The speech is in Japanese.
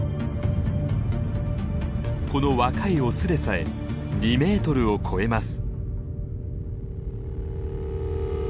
この若いオスでさえ２メートルを超えます。